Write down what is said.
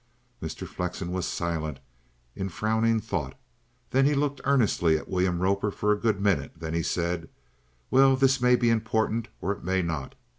Mr. Flexen was silent in frowning thought; then he looked earnestly at William Roper for a good minute; then he said: "Well, this may be important, or it may not.